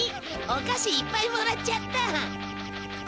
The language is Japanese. おかしいっぱいもらっちゃった。